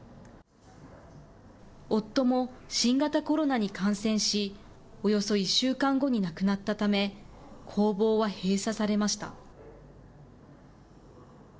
夫も新型コロナに感染し、およそ１週間後に亡くなったため、工房は閉鎖されました。